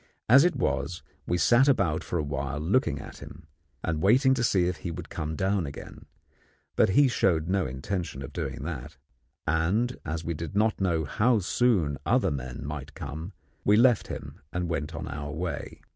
As it was, we sat about for a while looking at him, and waiting to see if he would come down again; but he showed no intention of doing that, and, as we did not know how soon other men might come, we left him and went on our way.